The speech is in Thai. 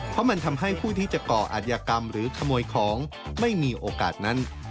เพราะมันทำให้ผู้ที่จะก่ออาจยากรรมหรือขโมยของไม่มีโอกาสนั้น